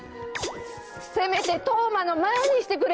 せめて斗真の前にしてくれ。